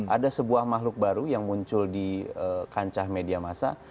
ada sebuah makhluk baru yang muncul di kancah media masa